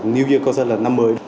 new year concert là năm mới